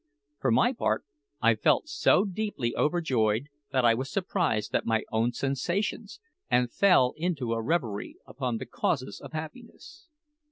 For my part, I felt so deeply overjoyed that I was surprised at my own sensations, and fell into a reverie upon the causes of happiness.